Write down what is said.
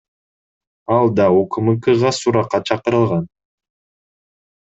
Ал да УКМКга суракка чакырылган.